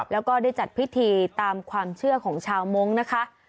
แล้วก็ได้จัดพิธีตามความเชื่อของชาวมงค์นะคะ